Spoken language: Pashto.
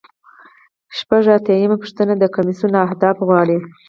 شپږ اتیا یمه پوښتنه د کمیسیون اهداف غواړي.